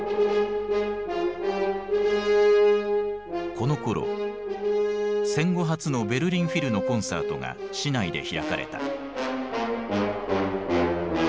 このころ戦後初のベルリン・フィルのコンサートが市内で開かれた。